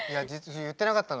言ってなかったの。